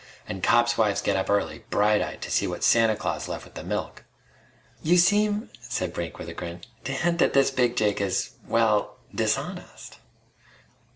An' cops' wives get up early, bright eyed, to see what Santa Claus left with the milk." "You seem," said Brink with a grin, "to hint that this Big Jake is ... well ... dishonest."